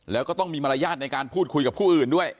แล้วก็ต้องมีมารยาทในการพูดคุยกับผู้อื่นด้วย